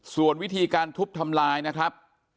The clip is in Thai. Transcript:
ส่วนวิธีการทุบทำลายนะครับ